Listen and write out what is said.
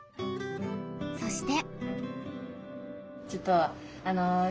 そして。